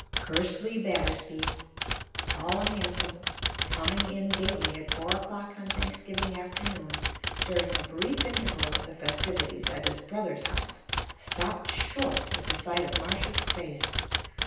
Kersley Battersby, tall and handsome, coming in gayly at four o'clock on Thanksgiving afternoon, during a brief interval of the festivities at his brother's house, stopped short at the sight of Marcia's face.